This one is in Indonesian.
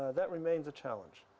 itu tetap menjadi tantangan